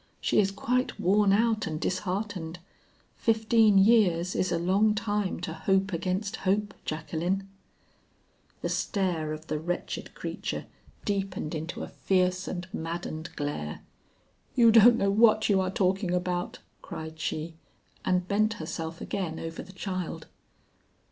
She is quite worn out and disheartened; fifteen years is a long time to hope against hope, Jacqueline." The stare of the wretched creature deepened into a fierce and maddened glare. "You don't know what you are talking about," cried she, and bent herself again over the child.